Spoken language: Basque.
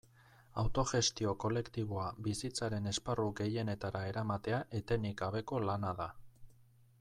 Autogestio kolektiboa bizitzaren esparru gehienetara eramatea etenik gabeko lana da.